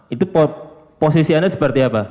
itu posisi anda seperti apa